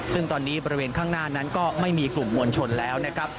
ซึ่งตอนนี้บริเวณข้างหน้านั้นก็ไม่มีกลุ่มมวลชนแล้วนะครับ